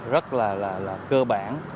rất là là cơ bản